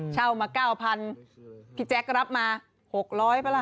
เช่ามา๙๐๐พี่แจ๊ครับมา๖๐๐ปะล่ะ